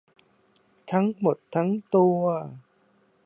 ทั้งหมดทั้งตัว